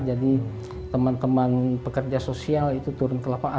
jadi teman teman pekerja sosial itu turun ke lapangan